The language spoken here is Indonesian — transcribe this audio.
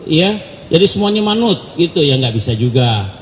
iya jadi semuanya manut gitu ya nggak bisa juga